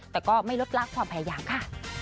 แต่ก็ไม่ลดลากความพยายามค่ะ